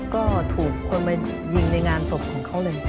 ก็ถูกคนมายิงในงานศพของเขาเลย